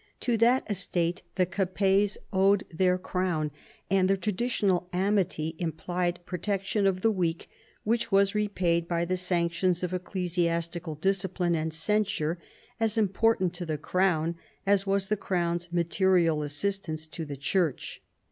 To that estate the Capets owed their crown, and the traditional amity implied protection of the weak, which was repaid by the sanctions of ecclesiastical discipline and censure, as important to the Crown as was the Crown's material assistance to the Church.